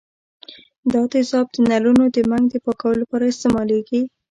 دا تیزاب د نلونو د منګ د پاکولو لپاره استعمالیږي.